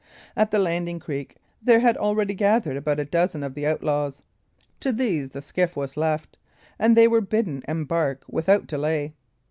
At the landing creek there had already gathered about a dozen of the outlaws. To these the skiff was left, and they were bidden embark without delay.